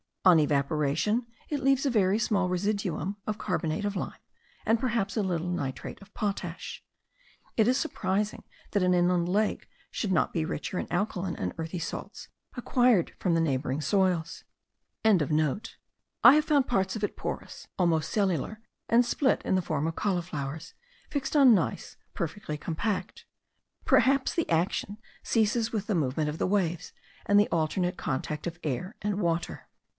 On evaporation it leaves a very small residuum of carbonate of lime, and perhaps a little nitrate of potash. It is surprising that an inland lake should not be richer in alkaline and earthy salts, acquired from the neighbouring soils. I have found parts of it porous, almost cellular, and split in the form of cauliflowers, fixed on gneiss perfectly compact. Perhaps the action ceases with the movement of the waves, and the alternate contact of air and water.